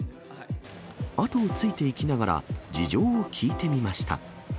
後をついていきながら、事情を聞いてみました。